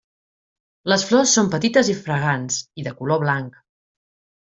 Les flors són petites i fragants i de color blanc.